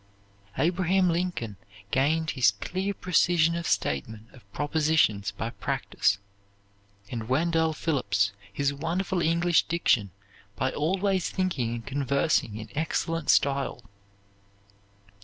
Abraham Lincoln gained his clear precision of statement of propositions by practise, and Wendell Phillips his wonderful English diction by always thinking and conversing in excellent style.